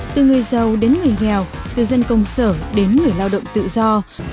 từ người giàu đến người nghèo từ dân công sở đến người lao động tự do